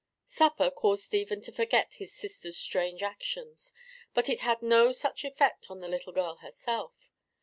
Supper caused Stephen to forget his sister's strange actions, but it had no such effect on the little girl herself.